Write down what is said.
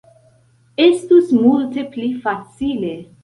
Estus multe pli facile.